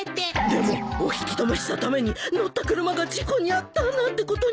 でもお引き留めしたために乗った車が事故に遭ったなんてことになっちゃ。